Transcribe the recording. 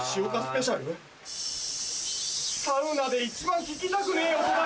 サウナで一番聞きたくねえ音だ。